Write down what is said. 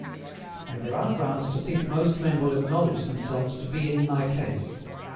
And there are grounds to think most men will acknowledge themselves to be in my case.